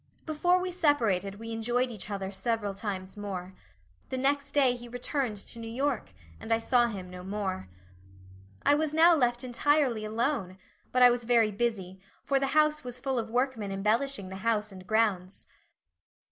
Before we separated we enjoyed each other several times more. The next day he returned to New York and I saw him no more. I was now left entirely alone, but I was very busy, for the house was full of workmen embellishing the house and grounds.